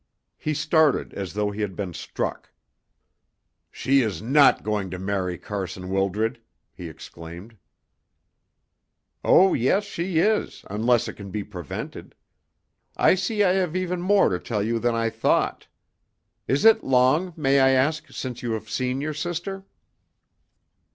He started as though he had been struck. "She is not going to marry Carson Wildred!" he exclaimed. "Oh, yes, she is, unless it can be prevented. I see I have even more to tell you than I thought. Is it long, may I ask, since you have seen your sister?"